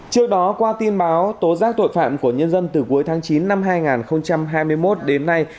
trước đó qua tin báo tố giác tội phạm của nhân dân từ cuối tháng chín năm hai nghìn hai mươi một đến nay